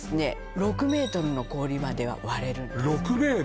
６ｍの氷までは割れるんです６ｍ？